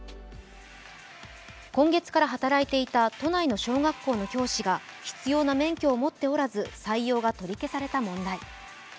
今月から働いていた都内の小学校の教師が必要な免許を持っておらず採用が取り消された問題。